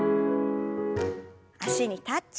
脚にタッチ。